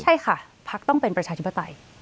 ใช่ค่ะพักต้องเป็นประชาธิปไตย